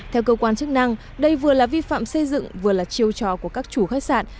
theo cơ quan chức năng đây vừa là vi phạm xây dựng vừa là chiêu trò của các chủ khách sạn